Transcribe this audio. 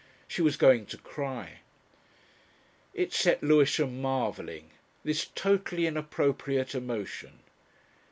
She was going to cry! It set Lewisham marvelling this totally inappropriate emotion.